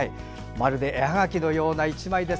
まるで絵はがきのような１枚。